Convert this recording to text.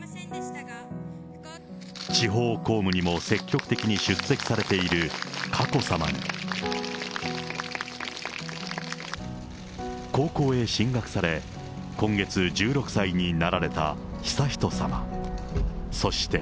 地方公務にも積極的に出席されている佳子さまに、高校へ進学され、今月、１６歳になられた悠仁さま、そして。